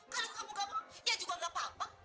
kalau kamu nggak mau ya juga nggak apa apa